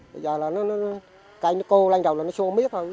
bây giờ là nó canh nó cô lên đầu là nó xua miếng thôi